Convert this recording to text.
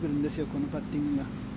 このパッティングが。